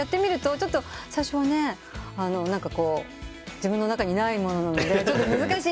自分の中にないものなので難しい。